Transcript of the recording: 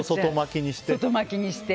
外巻きにして？